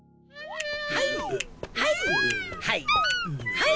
はい！